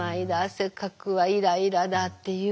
汗かくわイライラだっていう。